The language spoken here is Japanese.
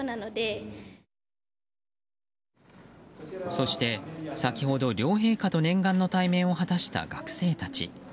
そして先ほど、両陛下と念願の対面を果たした学生たち。